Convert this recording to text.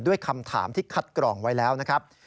ด้วยคำถามที่คัดกรองไว้แล้วนะครับ